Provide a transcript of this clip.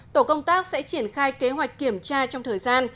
tổ công tác sẽ triển khai kế hoạch kiểm tra trong thời gian